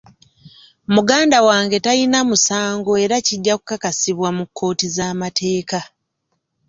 Muganda wange talina musango era kijja kukakasibwa mu kkooti z'amateeka.